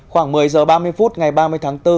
khoảng một mươi h ba mươi phút ngày ba mươi tháng bốn